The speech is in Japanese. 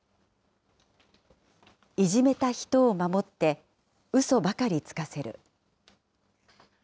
いじめた人を守ってウソばかりつかせる。